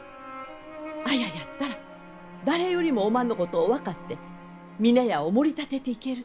綾やったら誰よりもおまんのことを分かって峰屋をもり立てていける。